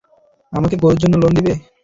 আমাকে গোরুর জন্য লোন দিবে?